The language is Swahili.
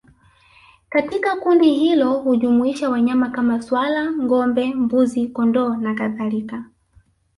Katika kundi hilo hujumuisha wanyama kama swala ngombe mbuzi kondoo na kadhalika